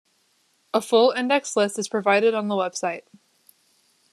A full indexed list is provided on the website.